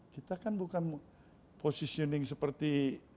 kita kan bukan positioning seperti